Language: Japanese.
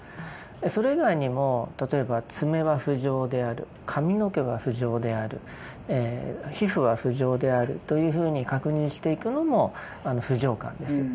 それ以外にも例えば爪は不浄である髪の毛は不浄である皮膚は不浄であるというふうに確認していくのも不浄観です。